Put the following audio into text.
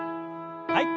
はい。